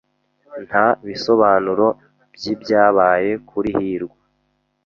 Nta bisobanuro byibyabaye kuri hirwa.